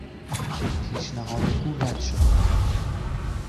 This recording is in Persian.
پیشنهاد او رد شد.